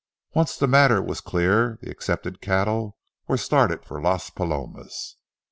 Once the matter was made clear, the accepted cattle were started for Las Palomas.